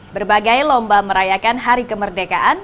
berbagai lomba merayakan hari kemerdekaan